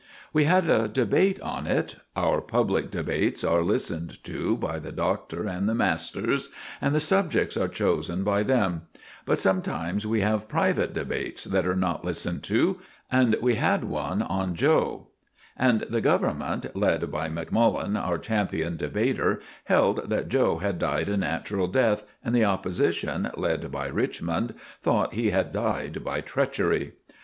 We had a debate on it. Our public debates are listened to by the Doctor and the masters, and the subjects are chosen by them; but sometimes we have private debates that are not listened to, and we had one on 'Joe'; and the Government, led by Macmullen, our champion debater, held that 'Joe' had died a natural death, and the Opposition, led by Richmond, thought he had died by treachery.